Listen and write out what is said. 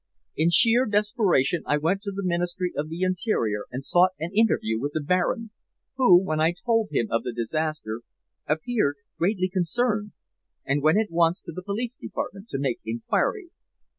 "In sheer desperation I went to the Ministry of the Interior and sought an interview with the Baron, who, when I told him of the disaster, appeared greatly concerned, and went at once to the Police Department to make inquiry.